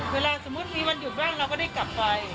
เวลาสมมุติมีวันหยุดบ้างเราก็ได้กลับไป